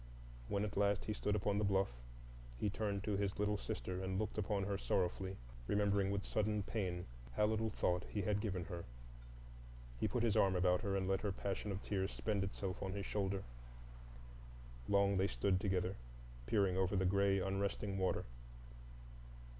When at last he stood upon the bluff, he turned to his little sister and looked upon her sorrowfully, remembering with sudden pain how little thought he had given her. He put his arm about her and let her passion of tears spend itself on his shoulder. Long they stood together, peering over the gray unresting water.